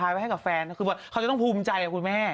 ลายไปให้กับแฟนก็คือว่าเขาจะต้องภูมิใจนะคุณแม่